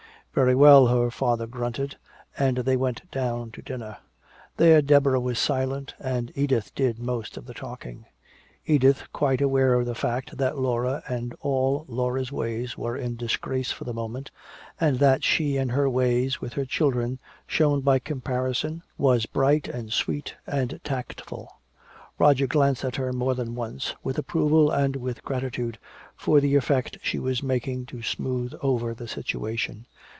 "Very well," her father grunted, and they went down to dinner. There Deborah was silent, and Edith did most of the talking. Edith, quite aware of the fact that Laura and all Laura's ways were in disgrace for the moment, and that she and her ways with her children shone by the comparison, was bright and sweet and tactful. Roger glanced at her more than once, with approval and with gratitude for the effort she was making to smooth over the situation.